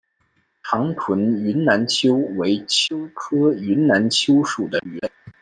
长臀云南鳅为鳅科云南鳅属的鱼类。